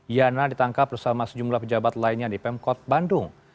yana ditangkap bersama sejumlah pejabat lainnya di pemkot bandung